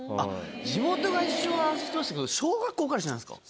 地元が一緒は知ってましたけど小学校から一緒なんですか？